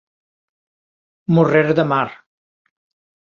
Morrer de mar